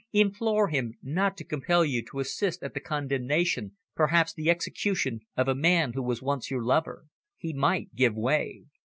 Implore him not to compel you to assist at the condemnation, perhaps the execution, of a man who was once your lover. He might give way."